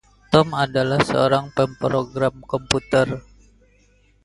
Tom adalah seorang pemrogram komputer.